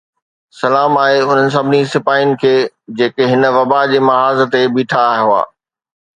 سلام آهي انهن سڀني سپاهين کي جيڪي هن وبا جي محاذ تي بيٺا هئا